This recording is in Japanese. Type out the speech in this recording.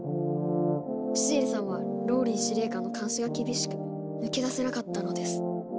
シエリさんはＲＯＬＬＹ司令官の監視が厳しく抜け出せなかったのです。